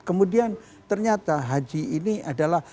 kemudian ternyata haji ini adalah